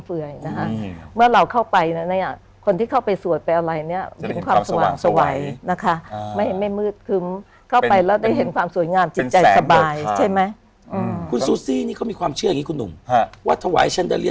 ซูซี่คุณซูซี่คุณซูซี่คุณซูซี่คุณซูซี่คุณซูซี่คุณซูซี่คุณซูซี่คุณซูซี่คุณซูซี่คุณซูซี่